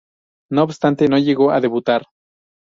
No obstante, no llegó a debutar.